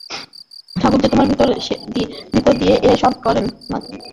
ঠাকুর যে তোমার ভিতর দিয়ে এ-সব করছেন, মাঝে মাঝে তা বেশ দেখতে পাচ্ছি।